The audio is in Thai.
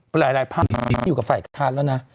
หลายภาคอยู่กับฝ่ายทานแล้วนะ